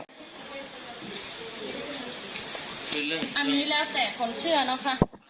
อันนี้แหละแต่ผมเชื่อเนอะค่ะ